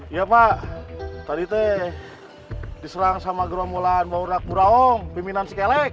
iya pak tadi tuh diserang sama geromulan baurak muraong biminan sikelek